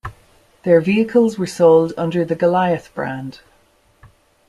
Their vehicles were sold under the Goliath brand.